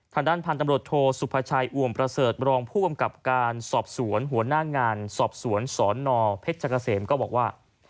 ทางด้านพันธุ์ตำรวจโทสุภาชัยอวมประเสริฐบรองผู้กำกับการสอบสวนหัวหน้างานสอบสวนสนเพชรเกษมก็บอกว่า